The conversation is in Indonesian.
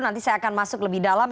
nanti saya akan masuk lebih dalam